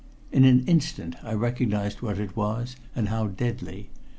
In an instant I recognized what it was, and how deadly.